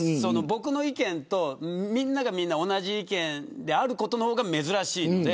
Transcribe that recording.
僕の意見とみんながみんな同じ意見であることの方が珍しいので。